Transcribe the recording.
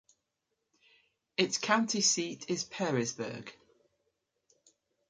Its county seat is Pearisburg.